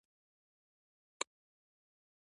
موږ يواځې د ګرګين له عسکرو سره جنګېږو.